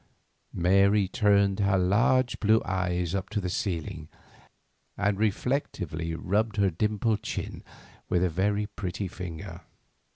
Mary turned her large blue eyes up to the ceiling, and reflectively rubbed her dimpled chin with a very pretty finger.